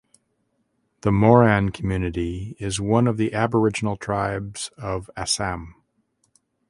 The Moran community is one of the aboriginal tribes of Assam.